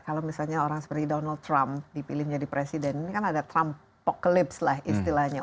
kalau misalnya orang seperti donald trump dipilih menjadi presiden ini kan ada trump pocalips lah istilahnya